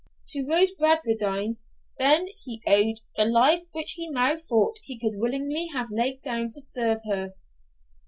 To Rose Bradwardine, then, he owed the life which he now thought he could willingly have laid down to serve her.